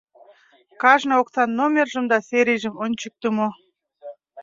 Кажне оксан номержым да серийжым ончыктымо.